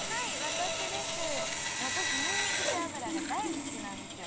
私にんにく背脂が大好きなんですよ。